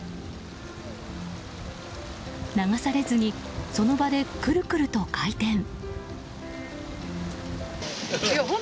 流されずに、その場でくるくると回転。